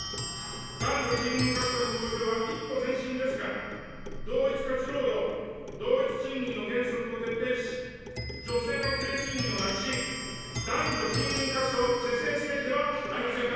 男女賃金格差の公表は一歩前進ですが、同一価値労働同一賃金の原則を徹底し、女性の低賃金をなくし、男女賃金格差を是正すべきではありませんか。